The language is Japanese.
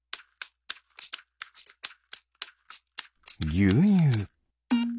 ぎゅうにゅう。